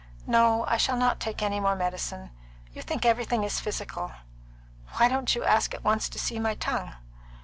"No, I shall not take any more medicine. You think everything is physical. Why don't you ask at once to see my tongue?"